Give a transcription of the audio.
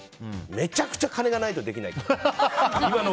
めちゃくちゃ金がないとできないと。